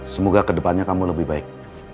semoga kedepannya kamu lebih baik